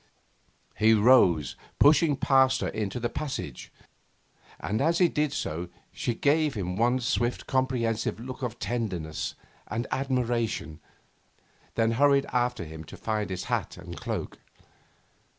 He rose, pushing past her into the passage, and as he did so she gave him one swift comprehensive look of tenderness and admiration, then hurried after him to find his hat and cloak.